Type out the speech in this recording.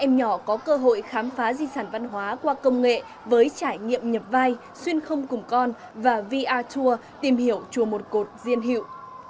các em nhỏ có cơ hội khám phá di sản văn hóa qua công nghệ với trải nghiệm nhập vai xuyên không cùng con và vr tour tìm hiểu chùa một cột diên hiệu